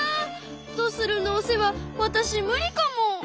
ドスルのお世話わたし無理かも。